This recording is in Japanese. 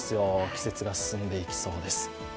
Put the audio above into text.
季節が進んでいきそうです。